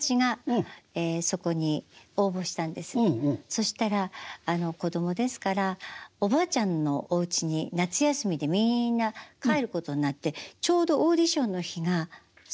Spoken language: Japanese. そしたら子どもですからおばあちゃんのおうちに夏休みでみんな帰ることになってちょうどオーディションの日がそことぶつかっちゃったの。